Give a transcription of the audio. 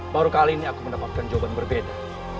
baru kali ini aku mendapatkan jawaban berbeda